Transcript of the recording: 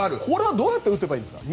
どうやって打てばいいんですか？